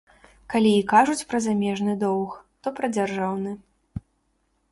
Калі і кажуць пра замежны доўг, то пра дзяржаўны.